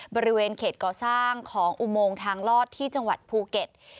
บริเวณเขตก่อสร้างของอุโมงทางลอดที่จังหวัดภูเก็ต